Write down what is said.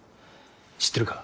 知ってるか？